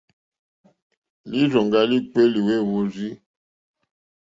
Lírzòŋgá líkpéélì wêhwórzí.